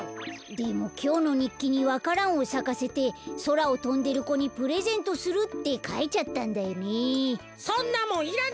でもきょうのにっきにわか蘭をさかせてそらをとんでる子にプレゼントするってかいちゃったんだよね。